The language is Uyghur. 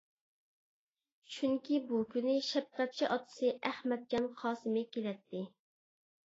چۈنكى بۇ كۈنى شەپقەتچى ئاتىسى ئەخمەتجان قاسىمى كېلەتتى.